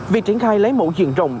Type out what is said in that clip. việc triển khai lấy mẫu diện rộng